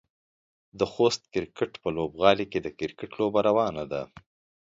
د خوست کرکټ په لوبغالي کې د کرکټ لوبه روانه ده.